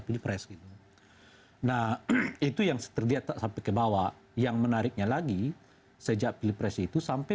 pilih press gitu nah itu yang terdia sampai kebawah yang menariknya lagi sejak pilih pres itu sampai